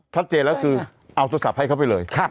ชัดเจนแล้วคือเอาโทรศัพท์ให้เขาไปเลย